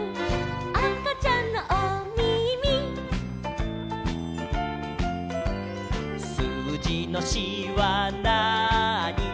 「あかちゃんのおみみ」「すうじの４はなーに」